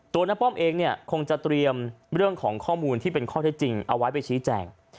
น้าป้อมเองเนี่ยคงจะเตรียมเรื่องของข้อมูลที่เป็นข้อเท็จจริงเอาไว้ไปชี้แจง